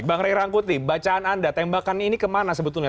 bang ray rangkuti bacaan anda tembakan ini kemana sebetulnya